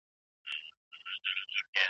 په بلجیم کې د زعفرانو کیفیت ارزیابي کېږي.